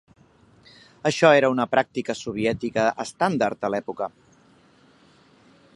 Això era una pràctica soviètica estàndard a l'època.